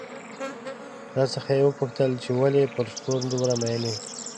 راڅخه یې وپوښتل چې ولې پر شپون دومره مين يې؟